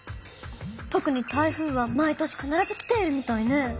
とくに台風は毎年かならず来ているみたいね。